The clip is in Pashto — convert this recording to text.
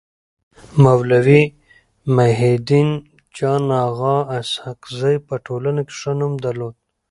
مولوي محي الدين جان اغا اسحق زي په ټولنه کي ښه نوم درلود.